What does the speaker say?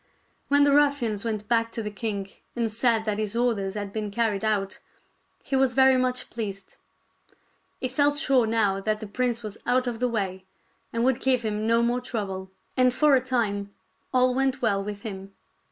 When the ruffians went back to the king and said that his orders had been carried out, he was very much pleased. He felt sure now that the prince was out of the way and would give him no more trouble ; and for a time all went well with him.